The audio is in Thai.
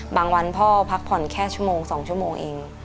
วันพ่อพักผ่อนแค่ชั่วโมง๒ชั่วโมงเอง